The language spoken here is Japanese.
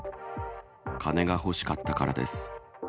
金が欲しかったからです。